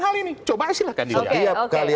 hal ini coba silahkan setiap kali